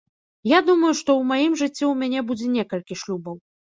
Я думаю, што ў маім жыцці ў мяне будзе некалькі шлюбаў.